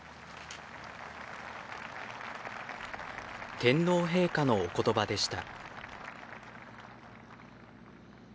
天皇陛下のおことばでした。